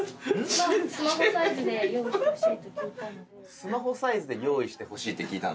スマホサイズで用意してほしいって聞いたの？